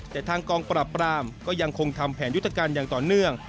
แต่ทางกองปราบปรามก็ยังคงทำแผนยุทธการอย่างต่อเนื่อง